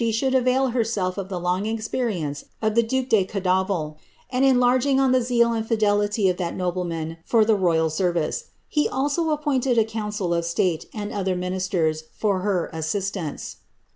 should a\'ail herself of the long experience of the duke de Ondafil, nd enlargin^r on the zeal and fidelity of that nobleman for the royal m^ ▼ice. He also appointed a council of state, and other ministcri, for hv asiistance.'